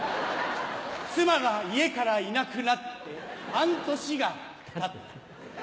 妻が家からいなくなって半年がたった。